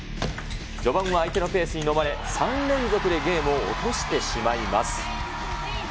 序盤は相手のペースに飲まれ、３連続でゲームを落としてしまいます。